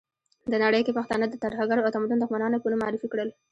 ده نړۍ کې پښتانه د ترهګرو او تمدن دښمنانو په نوم معرفي کړل.